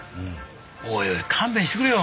おいおい勘弁してくれよ。